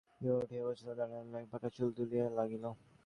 বিভা উঠিয়া বসিয়া দাদামহাশয়ের মাথা লইয়া পাকা চুল তুলিয়া দিতে লাগিল।